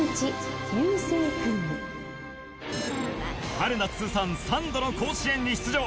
春夏通算３度の甲子園に出場。